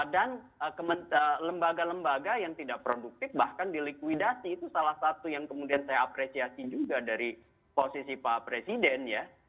dan lembaga lembaga yang tidak produktif bahkan di likuidasi itu salah satu yang kemudian saya apresiasi juga dari posisi pak presiden